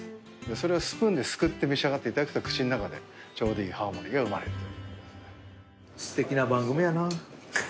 それをスプーンですくって召し上がっていただくと口の中でちょうどいいハーモニーが生まれると。